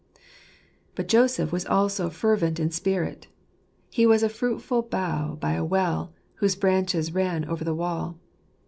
'" But Joseph was also fervent in spirit " He was a fruitful bough by a well, whose branches ran over the wall."